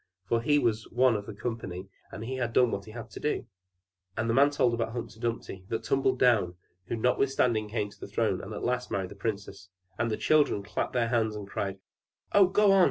for he was one of the company, and had done what he had to do. And the man told about Humpy Dumpy that tumbled down, who notwithstanding came to the throne, and at last married the princess. And the children clapped their hands, and cried. "Oh, go on!